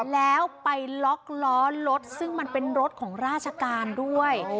แล้วไปล็อกล้อรถซึ่งมันเป็นรถของราชการด้วย